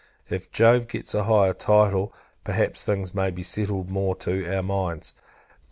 If Jove gets a higher title, perhaps things may be settled more to our minds.